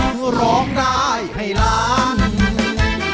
อยู่รายการ